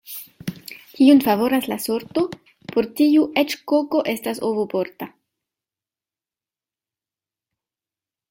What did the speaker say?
Kiun favoras la sorto, por tiu eĉ koko estas ovoporta.